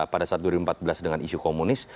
pada saat dua ribu empat belas dengan isu komunis